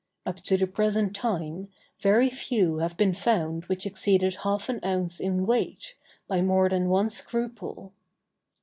Up to the present time, very few have been found which exceeded half an ounce in weight, by more than one scruple.